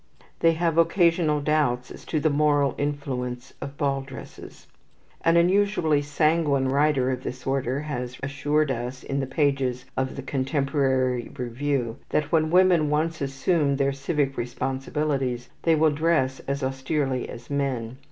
They have occasional doubts as to the moral influence of ball dresses. An unusually sanguine writer of this order has assured us, in the pages of the "Contemporary Review," that when women once assume their civic responsibilities, they will dress as austerely as men.